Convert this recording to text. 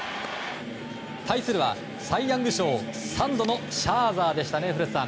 対するはサイ・ヤング賞３度のシャーザーでしたね、古田さん。